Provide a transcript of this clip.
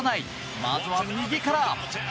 まずは右から！